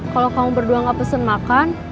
kalau kamu berdua gak pesen makan